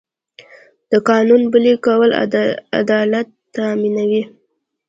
د قانون پلي کول عدالت تامینوي.